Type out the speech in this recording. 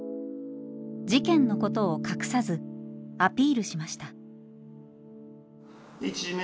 事件のことを隠さずアピールしました。